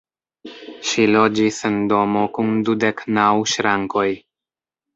Ŝi loĝis en domo kun dudek naŭ ŝrankoj.